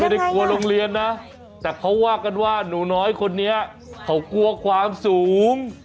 ไม่ได้กลัวโรงเรียนนะแต่เขาว่ากันว่าหนูน้อยคนนี้เขากลัวความสูง